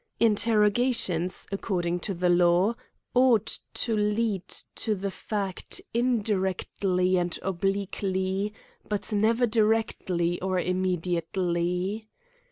Interrogations, ac I cording to the law, ought to lead to the fact in \directly and obliquely, but never directly or im I /mediately.